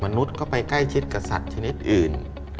เข้าไปใกล้ชิดกับสัตว์ชนิดอื่น